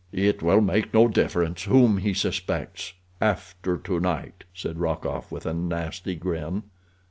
"It will make no difference whom he suspects—after to night," said Rokoff, with a nasty grin.